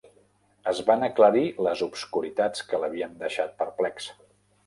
Es van aclarir les obscuritats que l'havien deixat perplex.